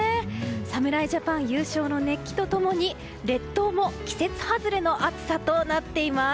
侍ジャパン優勝の熱気と共に列島も季節外れの暑さとなっています。